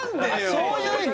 そういう意味？